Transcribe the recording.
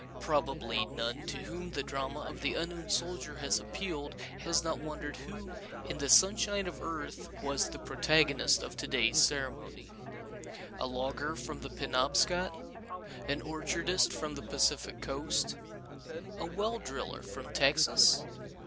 Probably none to whom the drama of the Unknown Soldier has appealed has not wondered who, in the sunshine of earth, was the protagonist of today's ceremony. A logger from the Penobscot? An orchardist from the Pacific Coast? A well driller from Texas?